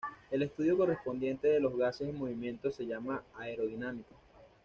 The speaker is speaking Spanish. El estudio correspondiente de los gases en movimiento se llama aerodinámica.